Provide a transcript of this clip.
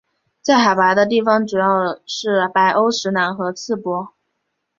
在海拔的地方主要是白欧石楠和刺柏。